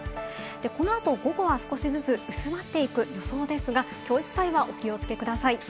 このあと午後は少しずつ薄まっていく予想ですが、今日いっぱいはお気をつけください。